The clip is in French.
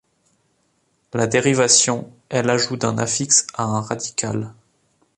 La dérivation est l'ajout d'un affixe à un radical.